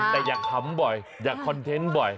แต่อยากขำบ่อยอยากคอนเทนต์บ่อย